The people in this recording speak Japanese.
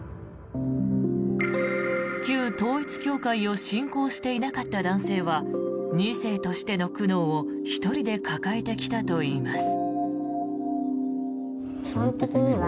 旧統一教会を信仰していなかった男性は２世としての苦悩を１人で抱えてきたといいます。